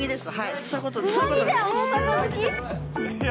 そういうことで。